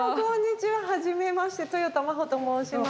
はじめましてとよた真帆と申します。